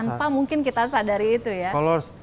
tanpa mungkin kita sadari itu ya